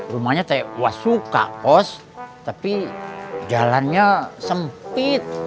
rumahnya teh wak suka kos tapi jalannya sempit